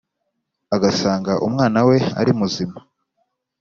agasanga umwana we ari muzima